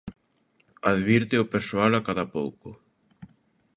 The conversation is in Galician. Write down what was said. Advírteo o persoal a cada pouco.